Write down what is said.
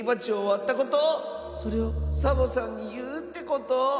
それをサボさんにいうってこと⁉